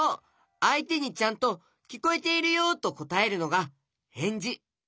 あいてにちゃんときこえているよとこたえるのがへんじ。